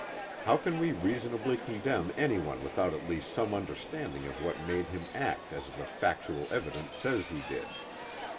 How can we reasonably condemn anyone without at least some understanding of what made him act as the factual evidence says he did?